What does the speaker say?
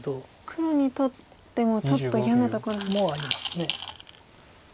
黒にとってもちょっと嫌なとこなんですか。もあります。